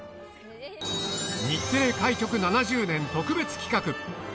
日テレ開局７０年特別企画。